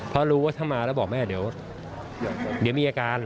เพราะรู้ว่าถ้ามาแล้วบอกแม่เดี๋ยวมีอาการ